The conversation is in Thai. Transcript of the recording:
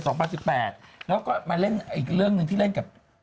แล้วก็มาเล่นอีกเรื่องหนึ่งที่เล่นกับ